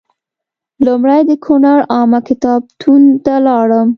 لومړی د کونړ عامه کتابتون ته لاړم.